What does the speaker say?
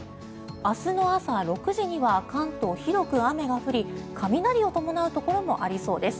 明日の朝６時には関東広く雨が降り雷を伴うところもありそうです。